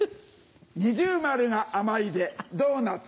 二重丸が「甘い」でドーナツ。